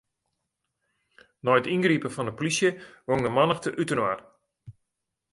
Nei it yngripen fan 'e polysje gong de mannichte útinoar.